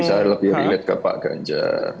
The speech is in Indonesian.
ya bisa lebih relate ke pak ganjar